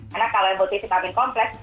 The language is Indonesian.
karena kalau yang butuh vitamin kompleks